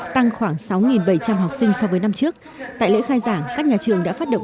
tăng khoảng sáu bảy trăm linh học sinh so với năm trước tại lễ khai giảng các nhà trường đã phát động